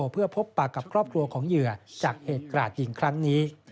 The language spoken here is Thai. เพื่อพบปากกับครอบครัวของเหยื่อจากเหตุกราดยิงครั้งนี้